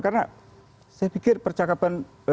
karena saya pikir percakapan